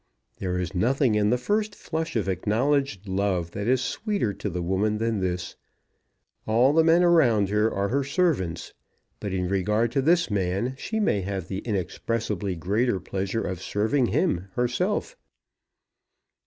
There is nothing in the first flush of acknowledged love that is sweeter to the woman than this. All the men around her are her servants; but in regard to this man she may have the inexpressibly greater pleasure of serving him herself.